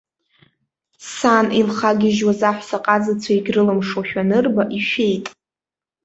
Сан илхагьежьуаз аҳәса ҟазацәа егьрылымшошәа анырба, ишәеит.